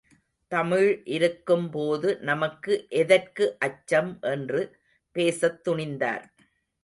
தமிழ் இருக்கும்போது நமக்கு எதற்கு அச்சம் என்று பேசத் துணிந்தார்.